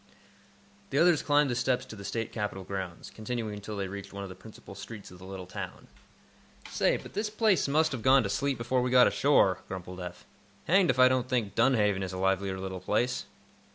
The others climbed the steps to the State Capitol grounds, continuing until they reached one of the principal streets of the little town. "Say, but this place must have gone to sleep before we got ashore," grumbled Eph. "Hanged if I don't think Dunhaven is a livelier little place!"